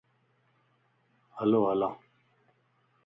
ھلو ھلان